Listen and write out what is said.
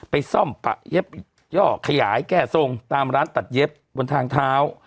ไปซ่อมปะเย็บย่อขยายแก้ทรงตามร้านตัดเย็บบนทางเท้า